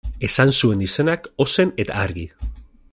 Esan zuen izenak ozen eta argi.